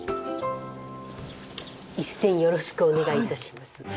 一戦よろしくお願いいたします。